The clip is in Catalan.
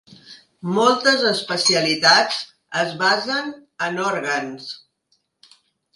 Moltes especialitats es basen en òrgans.